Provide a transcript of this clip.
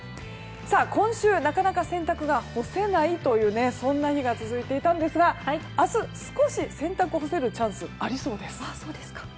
今週なかなか洗濯が干せないという日が続いていたんですが明日、少し洗濯干せるチャンスがありそうです。